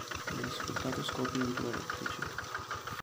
Viene sfruttato a scopi idroelettrici.